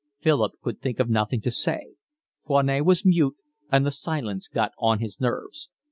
Philip could think of nothing to say; Foinet was mute, and the silence got on his nerves.